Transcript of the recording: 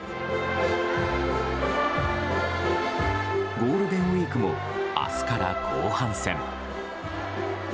ゴールデンウィークも明日から後半戦。